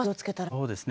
そうですね。